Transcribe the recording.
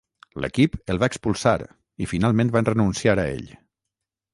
L'equip el va expulsar i finalment van renunciar a ell.